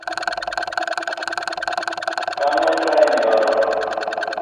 kanget raini karon